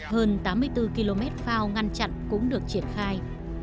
hơn tám mươi bốn km phao ngăn chặn cũng được triển khai